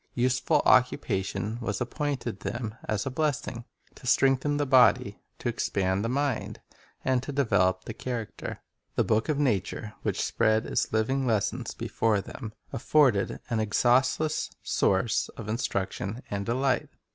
Useful occupation was appointed them as a blessing, to strengthen the body, to expand the mind, and to develop the character. The book of nature, which spread its living lessons before them, afforded an exhaustless source of instruc tion and delight.